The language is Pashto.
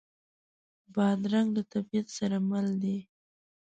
بادرنګ له طبیعت سره مل دی.